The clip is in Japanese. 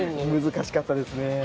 難しかったですね。